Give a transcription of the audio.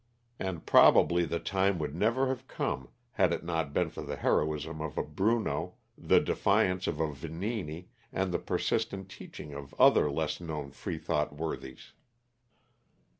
And probably the time would never have come had it not been for the heroism of a Bruno, the defiance of a Vanini, and the persistent teaching of other less known Freethought worthies.